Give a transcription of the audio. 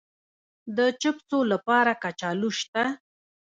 د چپسو لپاره کچالو شته؟